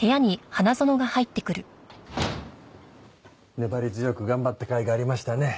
粘り強く頑張ったかいがありましたね。